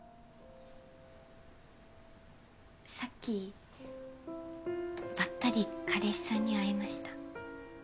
さっきばったり彼氏さんに会いました。